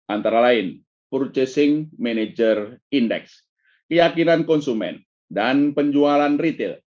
antara lain purchasing manager index keyakinan konsumen dan penjualan retail